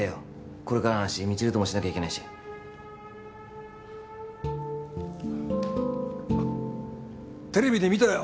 これからの話未知留ともしなきゃいけないしテレビで見たよ